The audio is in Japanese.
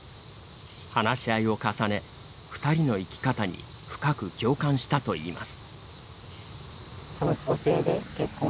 話し合いを重ね２人の生き方に深く共感したといいます。